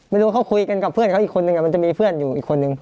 ไม่รู้เขาคุยกันกับเพื่อนเขาอีกคนนึงมันจะมีเพื่อนอยู่อีกคนนึง